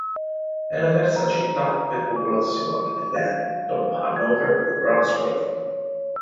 È la terza città per popolazione, nel "land", dopo Hannover e Braunschweig.